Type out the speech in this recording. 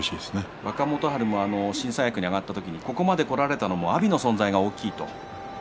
若元春も新三役に上がった時に、ここまでこられたのは阿炎の存在が大きいと。